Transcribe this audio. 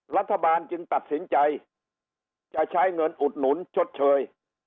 รัฐบาลจึงตัดสินใจจะใช้เงินอุดหนุนชดเชย